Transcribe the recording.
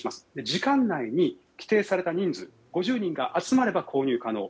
時間内に指定された人数５０人が集まれば購入可能。